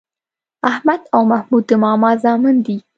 احمد او محمود د ماما زامن دي